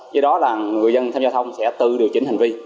do đó là người dân tham gia thông sẽ tự điều chỉnh hành vi